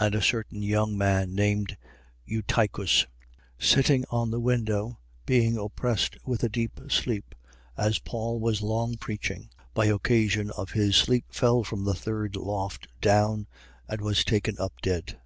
20:9. And a certain young man named Eutychus, sitting on the window, being oppressed with a deep sleep (as Paul was long preaching), by occasion of his sleep fell from the third loft down and was taken up dead.